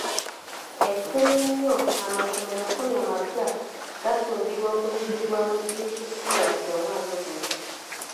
Ekitono ennyo amasomero kkumi amapya gasuubirwa okuzimbibwa mu disitulikiti yaffe omwaka guno